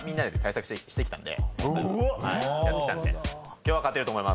今日は勝てると思います。